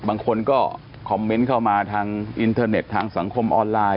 บางคนก็คอมเมนต์เข้ามาทางอินเทอร์เน็ตทางสังคมออนไลน์